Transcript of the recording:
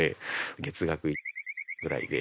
月額ぐらいで。